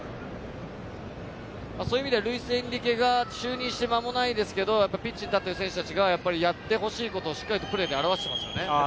そういう意味ではルイス・エンリケが就任して間もないですけれど、ピッチに立ってる選手たちがやってほしいことをしっかりプレーで表してますよね。